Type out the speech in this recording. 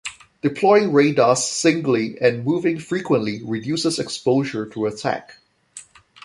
Deploying radars singly and moving frequently reduces exposure to attack.